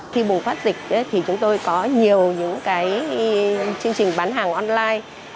khi bùng phát dịch thì chúng tôi có nhiều những cái chương trình bán hàng online